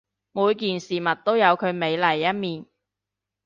每件事物都有佢美麗一面